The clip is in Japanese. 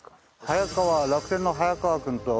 早川楽天の早川君と。